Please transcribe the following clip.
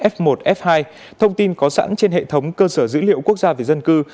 f một f hai thông tin có sẵn trên hệ thống cơ sở dữ liệu quốc gia về dân cư